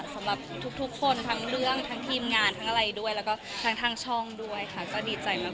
สำหรับทุกคนทั้งเรื่องทั้งทีมงานทั้งอะไรด้วยแล้วก็ทั้งทางช่องด้วยค่ะก็ดีใจมาก